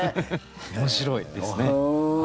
面白いですね。